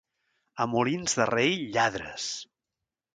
A Molins de Rei, lladres.